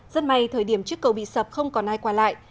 rất may thời điểm chiếc cầu bị sập không còn ai quả lại